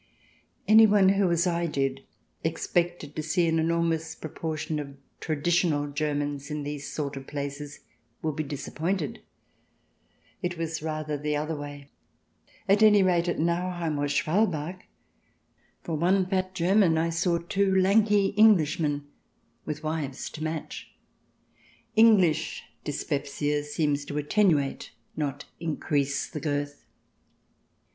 Anyone who, as I did, expected to see an enor mous proportion of traditional Germans in these sort of places would be disappointed. It was rather the other way — at any rate, at Nauheim or Schwalbach. For one fat German I saw two lanky Englishmen, with wives to match. English dys pepsia seems to attenuate, not increase the girth.